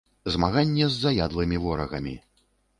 Змаганне з заядлымі ворагамі.